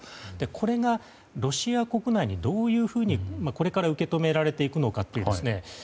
これがロシア国内にどういうふうにこれから受け止められていくのかという。